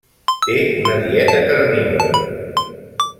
Té una dieta carnívora.